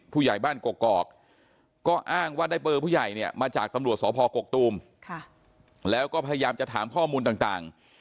ผู้ใหญ่บ้านกกอกก็อ้างว่าได้เบอร์ผู้ใหญ่เนี่ยมาจากตำรวจสพกกตูมแล้วก็พยายามจะถามข้อมูลต่าง